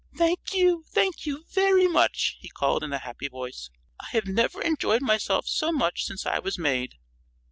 "Thank you! Thank you very much!" he called, in a happy voice. "I have never enjoyed myself so much since I was made."